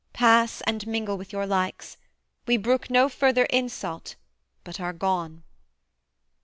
Pass, and mingle with your likes. We brook no further insult but are gone.'